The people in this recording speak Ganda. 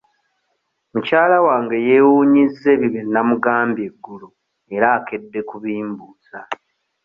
Mukyala wange yeewuunyizza ebyo bye namugambye eggulo era akedde kubimbuuza.